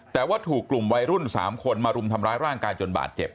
แต่ว่าถูกกลุ่มวัยรุ่น๓คนมารุมทำร้ายร่างกายจนบาดเจ็บ